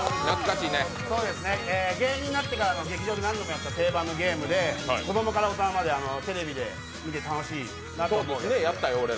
芸人になってから劇場で何度もやった定番のゲームで、子供から大人までテレビで見て楽しいなと思いますので。